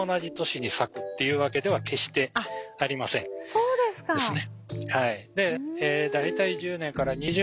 そうですか。